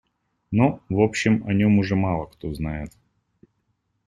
Но, в общем, о нем уже мало кто знает.